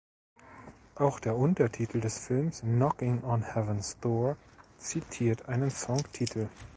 Auch der Untertitel des Films, "Knockin' on Heaven’s Door", zitiert einen Songtitel.